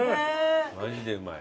マジでうまい。